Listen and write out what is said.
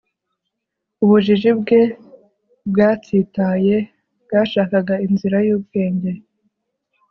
Ubujiji bwe bwatsitaye bwashakaga inzira yubwenge